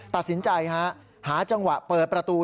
ตัดสินใจฮะหาจังหวะเปิดประตู